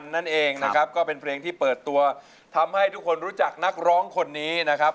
นั่นเองนะครับก็เป็นเพลงที่เปิดตัวทำให้ทุกคนรู้จักนักร้องคนนี้นะครับ